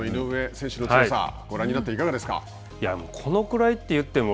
この井上選手の強さご覧になっていかがですか。